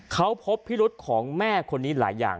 เขาพบพิรุษของแม่คนนี้หลายอย่าง